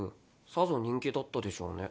さぞ人気だったでしょうね。